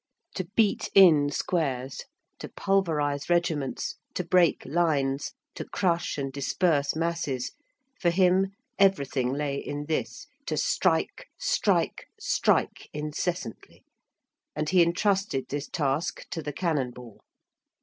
To beat in squares, to pulverize regiments, to break lines, to crush and disperse masses,—for him everything lay in this, to strike, strike, strike incessantly,—and he intrusted this task to the cannon ball.